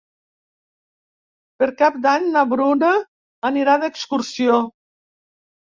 Per Cap d'Any na Bruna anirà d'excursió.